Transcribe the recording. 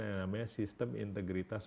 yang namanya sistem integritas